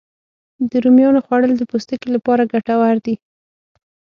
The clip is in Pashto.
د رومیانو خوړل د پوستکي لپاره ګټور دي